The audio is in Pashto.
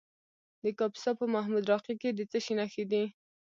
د کاپیسا په محمود راقي کې د څه شي نښې دي؟